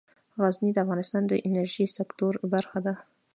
غزني د افغانستان د انرژۍ سکتور برخه ده.